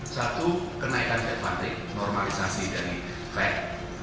satu kenaikan advantage normalisasi dari fed